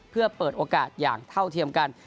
เพื่อเปิดโอกาสอย่างเท่าเทียมกัน